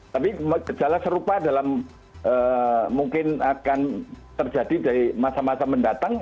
tapi gejala serupa dalam mungkin akan terjadi dari masa masa mendatang